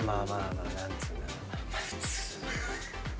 まあ普通。